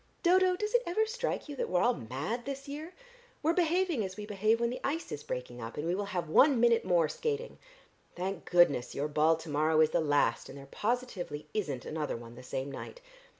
Dodo, does it ever strike you that we're all mad this year? We're behaving as we behave when the ice is breaking up, and we will have one minute more skating. Thank goodness your ball to morrow is the last, and there positively isn't another one the same night.